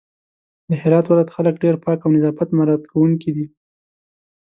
د هرات ولايت خلک ډېر پاک او نظافت مرعت کونکي دي